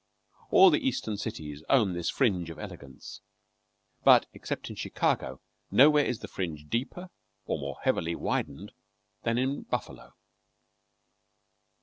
All the Eastern cities own this fringe of elegance, but except in Chicago nowhere is the fringe deeper or more heavily widened than in Buffalo.